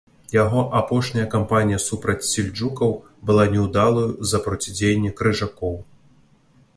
Яго апошняя кампанія супраць сельджукаў была няўдалаю з-за процідзеянні крыжакоў.